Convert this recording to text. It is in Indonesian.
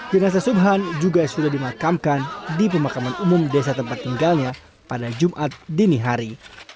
jenasa subhan juga sudah dimakamkan di pemakaman umum desa tempat tinggalnya pada jumat dini hari